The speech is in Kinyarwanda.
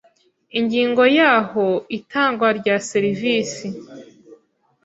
Ingingo ya Aho itangwa rya serivisi